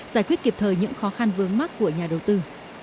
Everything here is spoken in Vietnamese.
giải quyết kịp thời những khó khăn vướng mắt của nhà đầu tư